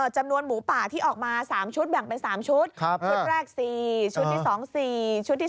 จำนวนหมูป่าที่ออกมา๓ชุดแบ่งเป็น๓ชุดชุดแรก๔ชุดที่๒๔ชุดที่๓